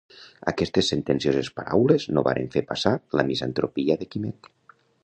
Aquestes sentencioses paraules no varen fer passar la misantropia de Quimet.